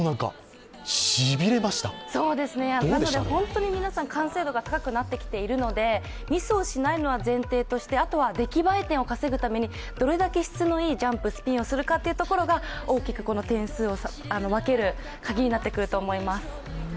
本当に皆さん、完成度が高くなってきているのでミスをしないのは前提としてあとは出来映え点を稼ぐためにどれだけ質のいいジャンプ、スピンをするかというところが大きく点数を分けるカギになってくると思います。